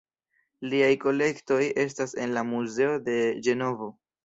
Liaj kolektoj estas en la muzeo de Ĝenovo.